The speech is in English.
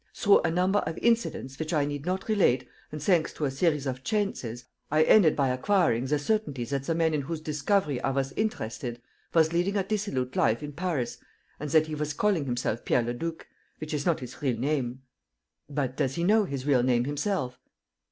Through a number of incidents which I need not relate and thanks to a series of chances, I ended by acquiring the certainty that the man in whose discovery I was interested was leading a dissolute life in Paris and that he was calling himself Pierre Leduc, which is not his real name." "But does he know his real name himself?"